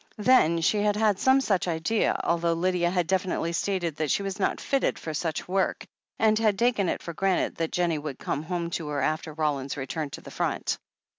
Then she had had some such idea, although Lydia had definitely stated that she was not fitted for such work, and had taken it for granted that Jennie would come home to her after Roland's return to the front.